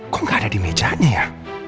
kok gak ada di mejanya ya